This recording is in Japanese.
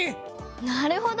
なるほど！